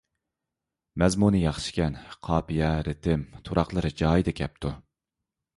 مەزمۇنى ياخشىكەن. قاپىيە، رىتىم، تۇراقلىرى جايىدا كەپتۇ.